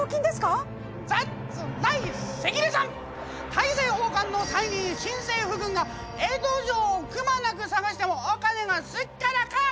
大政奉還の際に新政府軍が江戸城をくまなく探してもお金がすっからかん！